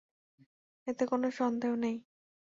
এতে কোন সন্দেহ নেই।